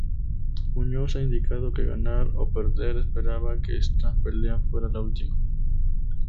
Muñoz ha indicado que ganar o perder, esperaba que esta pelea fuera la última.